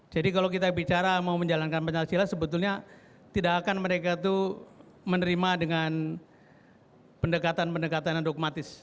jadi kalau kita bicara mau menjalankan penyelesaian sebetulnya tidak akan mereka itu menerima dengan pendekatan pendekatan yang dogmatis